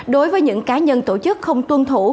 đối với những cá nhân tổ chức không tuân thủ